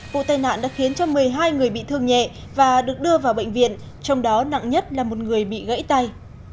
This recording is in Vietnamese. vụ tai nạn đã khiến cho một mươi hai người bị thương nhẹ và được đưa vào bệnh viện trong đó nặng nhất là một người bị gãy tay